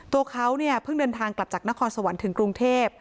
ตัวเขาเนี่ยเพิ่งเดินทางกลับจากนครสวรรค์ถึงกรุงเทพ